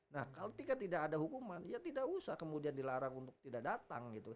nah kalau tidak ada hukuman ya tidak usah kemudian dilarang untuk tidak datang gitu